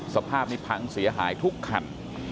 สภาพนี้พังเสียหายทุกคัน